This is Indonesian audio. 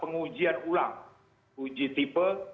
pengujian ulang uji tipe